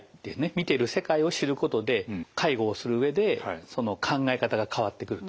見てる世界を知ることで介護をする上でその考え方が変わってくると。